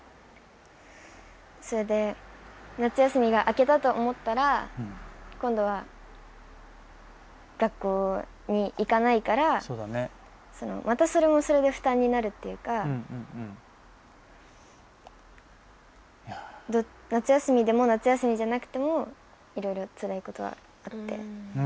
それで夏休みが明けたと思ったら今度は学校に行かないからまた、それもそれで負担になるっていうか夏休みでも夏休みじゃなくてもいろいろ、つらいことはあって。